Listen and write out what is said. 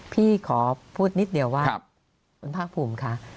พี่ขอพูดนิดเดียวว่าคุณภาคภูมิค่ะ